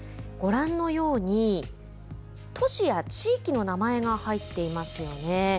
ご覧のように都市や地域の名前が入っていますよね。